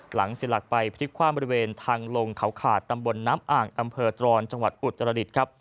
เสียหลักไปพลิกความบริเวณทางลงเขาขาดตำบลน้ำอ่างอำเภอตรอนจังหวัดอุตรดิษฐ์ครับ